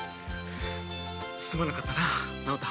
すまなかったなぁ直太。